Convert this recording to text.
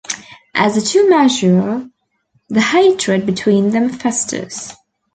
As the two mature, the hatred between them festers.